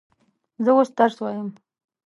زه اوس درس وایم.